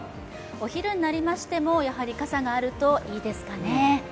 お昼になりましてもやはり傘があるといいですかね。